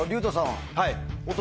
はい。